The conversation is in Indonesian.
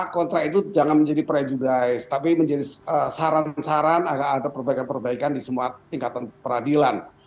kontrak itu jangan menjadi prejudice tapi menjadi saran saran agar ada perbaikan perbaikan di semua tingkatan peradilan